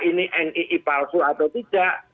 ini nii palsu atau tidak